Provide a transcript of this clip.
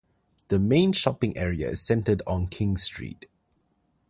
The main shopping area is centred on King Street.